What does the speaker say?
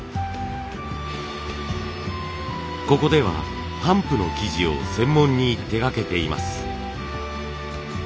ここでは帆布の生地を専門に手がけています。